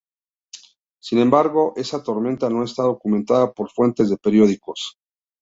Sin embargo, esa tormenta no está documentada por fuentes de periódicos.